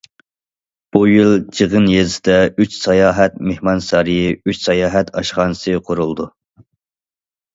بۇ يىل جىغىن يېزىسىدا ئۈچ ساياھەت مېھمانسارىيى، ئۈچ ساياھەت ئاشخانىسى قۇرۇلىدۇ.